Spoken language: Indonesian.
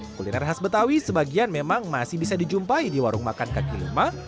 kuliner khas betawi sebagian memang masih bisa dijumpai di warung makan kaki lima